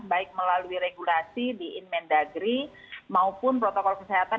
baik melalui regulasi di inmen dagri maupun protokol kesehatan